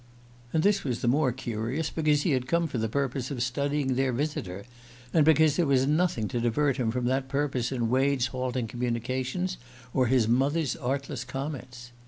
And this was the more curious because he had come for the purpose of studying their visitor, and because there was nothing to divert him from that purpose in Wade's halting communications or his mother's artless comments.